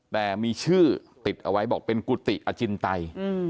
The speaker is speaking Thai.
แต่มีชื่อติดเอาไว้บอกเป็นกุฏิอจินไต